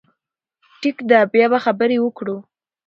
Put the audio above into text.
ټيک ده، بيا به خبرې وکړو